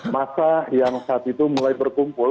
masa yang saat itu mulai berkumpul